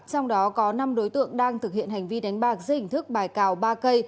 trong đó có năm đối tượng đang thực hiện hành vi đánh bạc dưới hình thức bài cào ba k